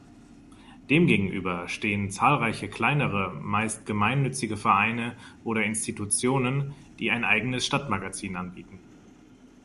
Demgegenüber stehen zahlreiche kleinere, meist gemeinnützige Vereine oder Institutionen, die ein eigenes Stadtmagazin anbieten.